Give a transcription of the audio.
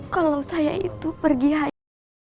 kalau saya itu pergi haji